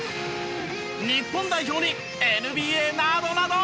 日本代表にＮＢＡなどなど！